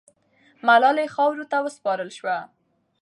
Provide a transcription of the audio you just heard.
ملالۍ خاورو ته وسپارل سوه.